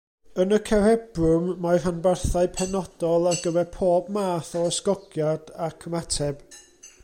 Yn y cerebrwm, mae rhanbarthau penodol ar gyfer pob math o ysgogiad ac ymateb.